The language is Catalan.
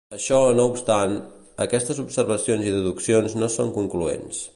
Això no obstant, aquestes observacions i deduccions no són concloents.